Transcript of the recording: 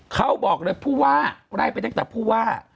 เขาบอกเลยผู้ว่าไล่ไปตั้งแต่ผู้ว่า